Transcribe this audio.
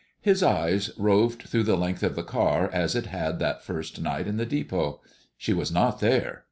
His eye roved through the length of the car as it had that first night in the depot. She was not there.